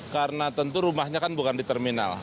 karena tentu rumahnya kan bukan di terminal